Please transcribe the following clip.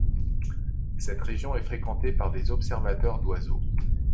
Cette région est fréquentée par des observateurs d'oiseaux.